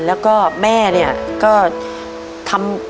แล้วก็แม่เนี่ยก็ทำ